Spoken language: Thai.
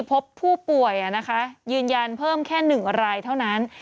พบผู้ป่วยยืนยันเพิ่มแค่๑รายเท่านั้น